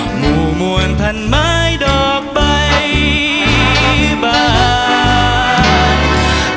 หมู่มวลพันไม้ดอกใบบาง